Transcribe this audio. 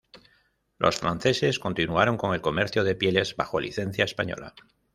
Los franceses continuaron con el comercio de pieles bajo licencia española.